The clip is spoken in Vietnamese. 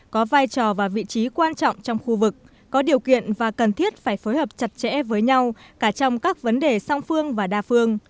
có vai trò và vị trí quan trọng trong khu vực có điều kiện và cần thiết phải phối hợp chặt chẽ với nhau cả trong các vấn đề song phương và đa phương